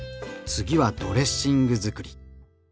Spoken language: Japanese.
次はドレッシングづくり。